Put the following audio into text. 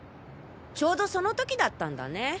ちょうどその時だったんだね。